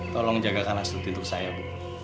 tolong jagakan asur titur saya ibu